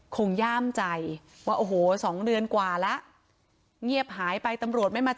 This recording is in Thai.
คงย่ามใจว่า